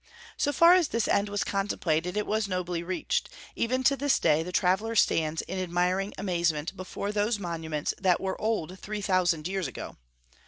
So far as this end was contemplated it was nobly reached; even to this day the traveller stands in admiring amazement before those monuments that were old three thousand years ago.